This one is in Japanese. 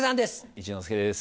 一之輔です